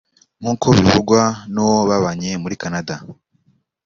nk’uko bivugwa n’uwo babanye muri Canada